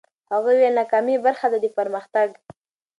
هغه وویل، ناکامي برخه ده د پرمختګ.